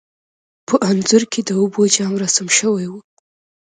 په انځور کې د اوبو جام رسم شوی و.